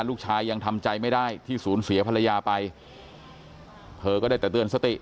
ลูกชายยังทำใจไม่ได้ที่สูญเสียภรรยาไปเธอก็ได้แต่เตือนสติ